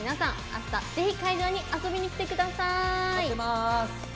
あした、ぜひ会場に遊びに来てください。